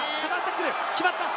決まった！